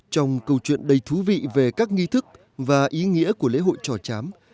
trong câu chuyện đầy thú vị về các nghi thức và ý nghĩa của lễ hội trò chám